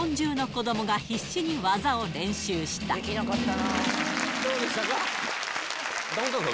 どうでしたか？